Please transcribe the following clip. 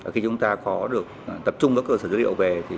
khi chúng ta có được tập trung các cơ sở dữ liệu về